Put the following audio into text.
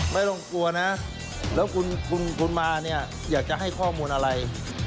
ไม่ต้องกลัวนะแล้วคุณมาเนี่ยอยากจะให้ข้อมูลอะไร